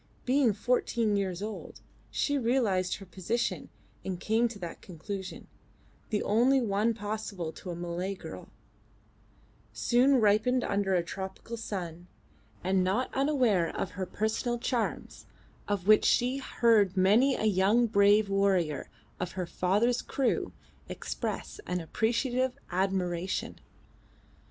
Being fourteen years old, she realised her position and came to that conclusion, the only one possible to a Malay girl, soon ripened under a tropical sun, and not unaware of her personal charms, of which she heard many a young brave warrior of her father's crew express an appreciative admiration.